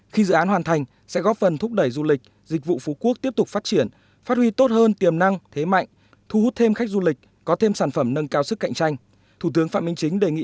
khi dự án hoàn thành sẽ góp phần thúc đẩy du lịch dịch vụ phú quốc tiếp tục phát triển phát huy tốt hơn tiềm năng thế mạnh thu hút thêm khách du lịch có thêm sản phẩm nâng cao sức cạnh tranh